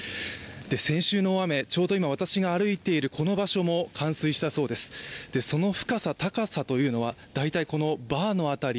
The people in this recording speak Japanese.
先週の大雨、ちょうど私が今歩いているこの場所もかん水したそうです、その深さ高さというのは大体、このバーの辺り。